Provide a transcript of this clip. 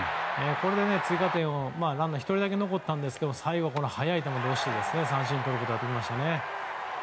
これで追加点をランナー１人だけ残ったんですが最後、速い球で押して三振にとれましたね。